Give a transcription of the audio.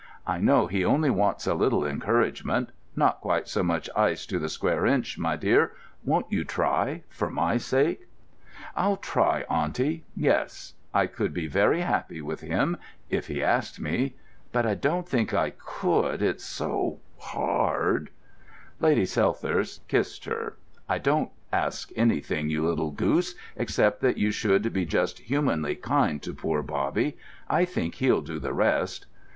"I know he only wants a little encouragement—not quite so much ice to the square inch, my dear! Won't you try, for my sake?" "I'll try, auntie, yes: I could be very, very happy with him—if he asked me: but I don't think I could—it's so hard——" Lady Silthirsk kissed her. "I don't ask anything, you little goose, except that you should be just humanly kind to poor Bobby—I think he'll do the rest!"